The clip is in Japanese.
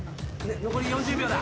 残り４０秒だ。